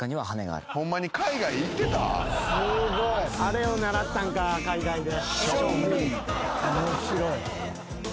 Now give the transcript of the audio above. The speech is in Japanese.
あれを習ったんか海外で。